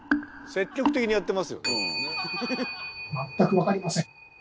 積極的にやってますよ。